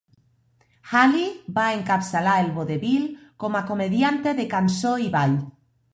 Haley va encapçalar el vodevil com a comedianta de cançó i ball.